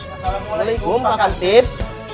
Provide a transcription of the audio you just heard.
assalamualaikum pak kantip